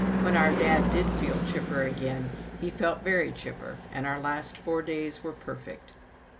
When our dad did feel chipper again, he felt very chipper, and our last four days were perfect.